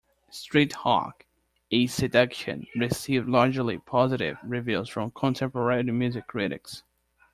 "Streethawk: A Seduction" received largely positive reviews from contemporary music critics.